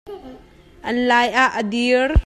An lai ah a dir.